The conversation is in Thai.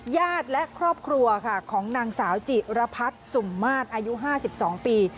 ญาติและครอบครัวค่ะของนางสาวจิรพัฒน์สุ่มมาตรอายุ๕๒ปี